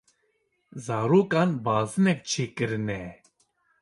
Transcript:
Zarokan bazinek çêkirine.